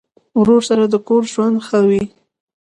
ورور سره د کور ژوند ښه وي.